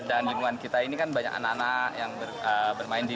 dan lingkungan kita ini kan banyak anak anak yang bermain di